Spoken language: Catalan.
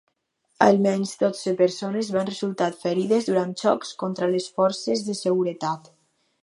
Almenys dotze persones van resultar ferides durant xocs contra les forces de seguretat.